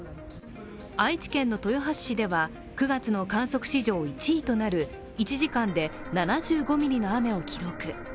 愛知県の豊橋市では９月の観測史上１位となる１時間で７５ミリの雨を記録。